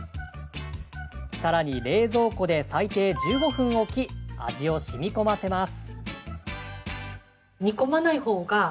さらに、冷蔵庫で最低１５分置き味をしみ込ませます。